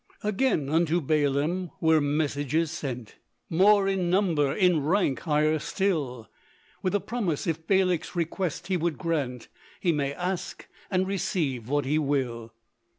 Again unto Balaam were messages sent, More in number, in rank higher still, With the promise if Balak's request he would grant, He may ask and receive what he will.